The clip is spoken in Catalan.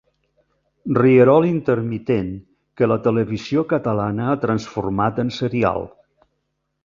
Rierol intermitent que la televisió catalana ha transformat en serial.